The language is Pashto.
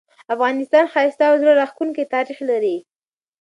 افغانستان ښایسته او زړه راښکونکې تاریخ لري